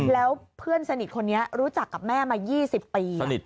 แล้วเพื่อนสนิทคนนี้รู้จักกับแม่มา๒๐ปี